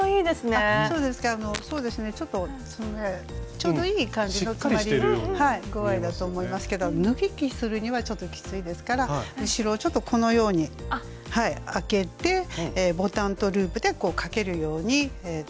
ちょうどいい感じの詰まり具合だと思いますけど脱ぎ着するにはちょっときついですから後ろをちょっとこのように開けてボタンとループでかけるように作っています。